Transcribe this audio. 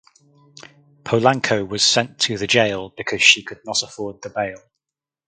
Polanco was sent to the jail because she could not afford the bail.